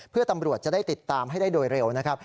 เพื่อตำรวจจะได้ติดตามให้ได้โดยเร็วนะครับ